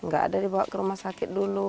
gak ada dibawa ke rumah sakit dulu